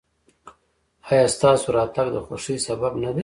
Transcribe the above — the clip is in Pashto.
ایا ستاسو راتګ د خوښۍ سبب نه دی؟